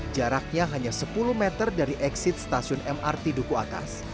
jaraknya hanya sepuluh meter dari exit stasiun mrt duku atas